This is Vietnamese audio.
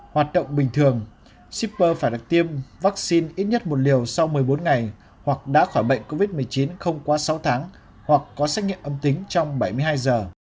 hoạt động bình thường shipper phải được tiêm vaccine ít nhất một liều sau một mươi bốn ngày hoặc đã khỏi bệnh covid một mươi chín không quá sáu tháng hoặc có xét nghiệm âm tính trong bảy mươi hai giờ